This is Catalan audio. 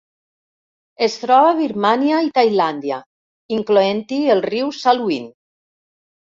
Es troba a Birmània i Tailàndia, incloent-hi el riu Salween.